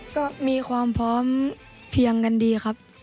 ก็มีความพร้อมเพียงกันดีครับ